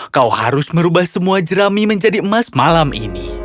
kau harus merubah semua jerami menjadi emas malam ini